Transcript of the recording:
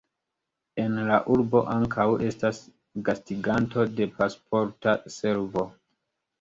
En la urbo ankaŭ estas gastiganto de Pasporta Servo.